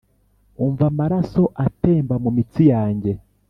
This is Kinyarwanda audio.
umva amaraso atemba mumitsi yanjye.